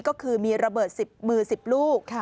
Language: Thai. ก็คือมีระเบิด๑๐มือ๑๐ลูก